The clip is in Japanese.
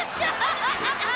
アハハハハ。